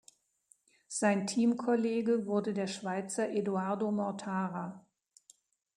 Sein Teamkollege wurde der Schweizer Edoardo Mortara.